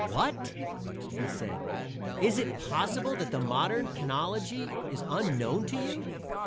"What!" he said, "is it possible that the modern penology is unknown to you?